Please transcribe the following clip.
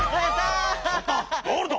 ゴールド！